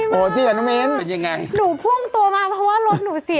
ที่อ่ะน้องมิ้นเป็นยังไงหนูพุ่งตัวมาเพราะว่ารถหนูเสีย